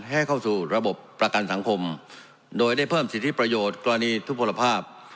ให้เข้าสู่ระบบประกันสังคมโดยได้เพิ่มสิทธิประโยชน์กรณีทุกผลภาพ